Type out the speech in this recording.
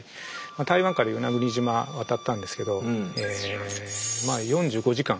台湾から与那国島渡ったんですけどまあ４５時間